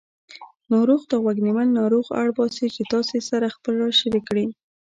ناروغ ته غوږ نیول ناروغ اړباسي چې تاسې سره خپل راز شریک کړي